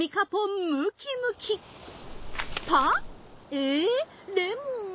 えーレモン！？